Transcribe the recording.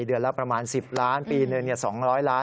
เดือนละประมาณ๑๐ล้านปีหนึ่ง๒๐๐ล้าน